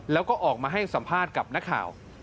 แล้วก็ออกมาให้สัมภาษณ์กับนักข่าว